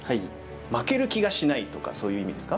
「負ける気がしない」とかそういう意味ですか？